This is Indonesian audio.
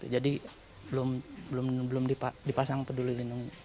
jadi belum dipasang peduli lindungi